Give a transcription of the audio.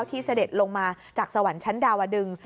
เสด็จลงมาจากสวรรค์ชั้นดาวดึง